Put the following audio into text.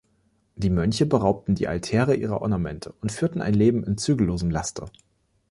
Die Mönche beraubten die Altäre ihrer Ornamente und führten ein Leben in zügellosem Laster.